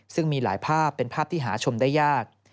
ซึ่งมีหลายภาพเป็นภาพที่หาชมได้ยาก